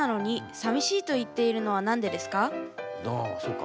ああそっか。